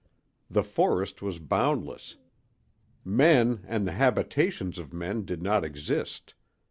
The forest was boundless; men and the habitations of men did not exist.